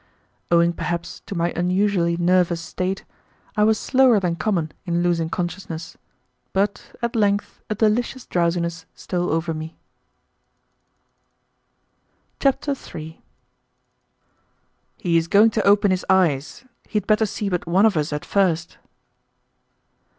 Owing, perhaps, to my unusually nervous state, I was slower than common in losing consciousness, but at length a delicious drowsiness stole over me. Chapter 3 "He is going to open his eyes. He had better see but one of us at first."